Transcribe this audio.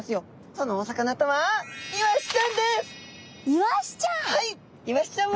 そのお魚とはイワシちゃん！